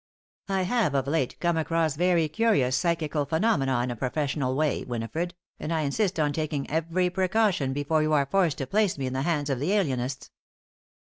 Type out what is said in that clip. I have of late come across very curious psychical phenomena in a professional way, Winifred, and I insist on taking every precaution before you are forced to place me in the hands of the alienists."